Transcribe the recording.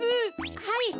はい。